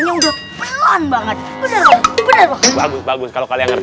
udah pelan banget